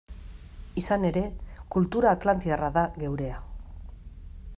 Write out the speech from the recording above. Izan ere, kultura atlantiarra da geurea.